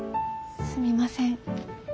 すみません。